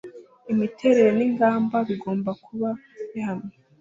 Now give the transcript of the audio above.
Imiterere n ingamba bigomba kuba bihamye